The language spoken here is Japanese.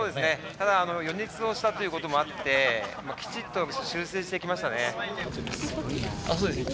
ただ予熱をしたということもあってきちっと修正してきましたね。